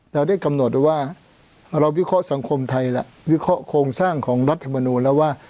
เราได้กำหนดไว้ว่าเราวิเคราะห์สังคมไทยแล้ววิเคราะห์โครงสร้างของรัฐมนูลแล้วว่า